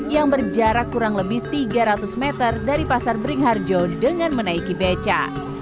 yang berjarak kurang lebih tiga ratus meter dari pasar beringharjo dengan menaiki beca